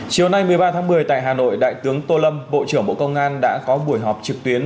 chiều nay một mươi ba tháng một mươi tại hà nội đại tướng tô lâm bộ trưởng bộ công an đã có buổi họp trực tuyến